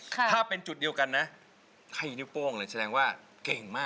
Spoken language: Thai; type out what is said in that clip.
ถ้าเป็นจุดเดียวกันนะใครนิ้วโป้งเลยแสดงว่าเก่งมาก